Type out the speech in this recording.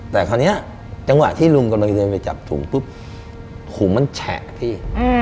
แต่คราวนี้จังหวะที่ลุงกำลังจะเดินไปจับถุงปุ๊บถุงมันแฉะพี่